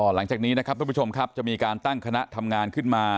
หลังจากนี้นะครับทุกผู้ชมครับจะมีการตั้งคณะทำงานขึ้นมา